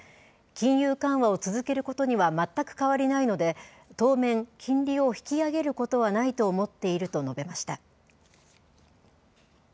金融緩和を続けることには全く変わりないので、当面、金利を引き上げることはないと思っていると述べました。